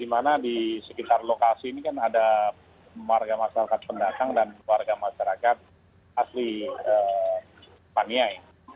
di mana di sekitar lokasi ini kan ada warga masyarakat pendatang dan warga masyarakat asli paniai